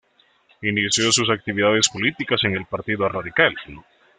Inició sus actividades políticas en el Partido Radical.